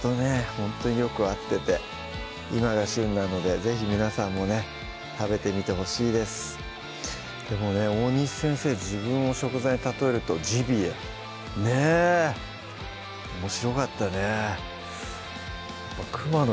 ほんとによく合ってて今が旬なので是非皆さんもね食べてみてほしいですでもね大西先生自分を食材に例えるとジビエねおもしろかったね